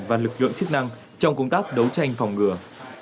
và lực lượng chức năng trong công tác đấu tranh phòng ngừa